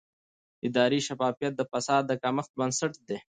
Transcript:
اداري شفافیت د فساد د کمښت بنسټ دی